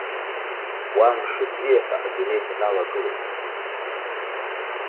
Уа мшыбзиа ҳәа адунеи дналагылеит.